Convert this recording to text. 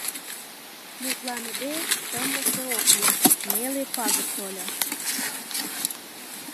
Мутланыде, шымлыше ок лий: неле пагыт тольо.